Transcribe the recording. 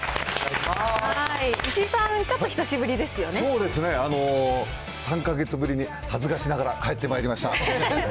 石井さん、ちょっと久しぶりそうですね、３か月ぶりに、恥ずかしながら、帰ってまいりました。